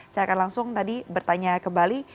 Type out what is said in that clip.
saya akan langsung tadi bertanya kembali